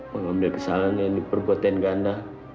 mengambil kesalahan yang diperbuatin ganda